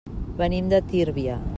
Venim de Tírvia.